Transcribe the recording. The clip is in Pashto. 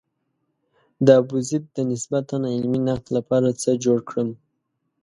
د ابوزید د نسبتاً علمي نقد لپاره څه جوړ کړم.